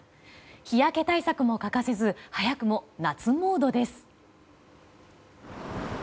日焼け対策も欠かせず早くも夏モードです。